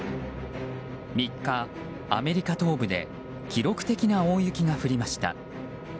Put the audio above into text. ３日、アメリカ東部で記録的な大雪が降りました。